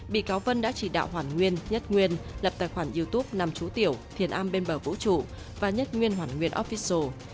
bị cáo vân đã chỉ đạo hoàn nguyên nhất nguyên lập tài khoản youtube nam chú tiểu thiền an bên bờ vũ trụ và nhất nguyên hoàn nguyên official